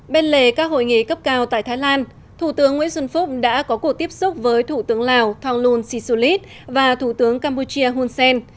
bên lề các hội nghị cấp cao tại thái lan thủ tướng nguyễn xuân phúc đã có cuộc tiếp xúc với thủ tướng lào thonglun sisulit và thủ tướng campuchia hun sen